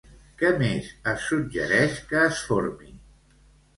Què més es suggereix que es formi?